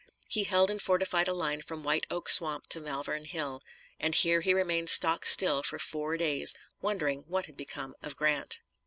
He held and fortified a line from White Oak swamp to Malvern Hill, and here he remained stock still for four days, wondering what had become of Grant.